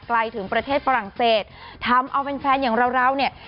ไกลถึงประเทศฝรั่งเศสทำเอาแฟนแฟนอย่างเราเราเนี่ย